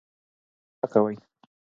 شک مه کوئ.